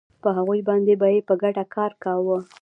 په هغوی باندې به یې په ګډه کار کاوه